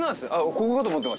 ここかと思ってました。